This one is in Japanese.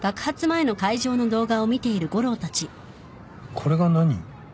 これが何？